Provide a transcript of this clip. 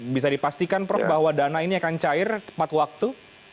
bisa dipastikan prof bahwa dana ini akan cair tepat waktu